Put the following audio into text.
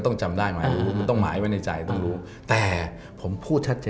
ก็ต้องจำได้มาให้รู้